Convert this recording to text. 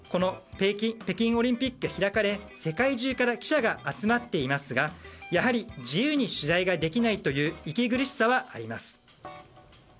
北京オリンピックが開かれ世界中から記者が集まっていますがやはり自由に取材できないという息苦しさはあります。